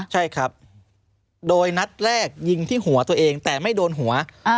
ใช่ครับโดยนัดแรกยิงที่หัวตัวเองแต่ไม่โดนหัว